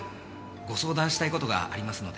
ご相談したい事がありますので。